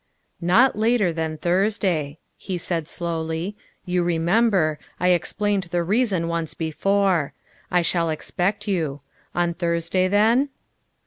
''" Not later than Thursday," he said slowly; " you remember, I explained the reason once before. I shall expect you. On Thursday then?"